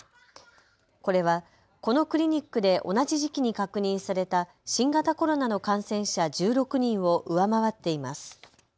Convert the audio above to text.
これはこのクリニックで同じ時期に確認された新型コロナの感染者１６人を上回っています。